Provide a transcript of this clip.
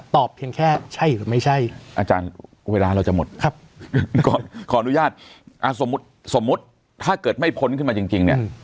สมมุติถ้าเกิดไม่พ้นขึ้นมาจริงเนี่ย